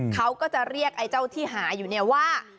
เขาก็จะเรียกไอ้เจ้าที่หาอยู่เนี่ยว่า